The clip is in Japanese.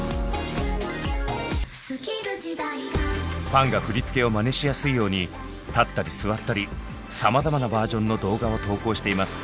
ファンが振り付けをまねしやすいように立ったり座ったりさまざまなバージョンの動画を投稿しています。